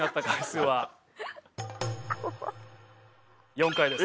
４回です。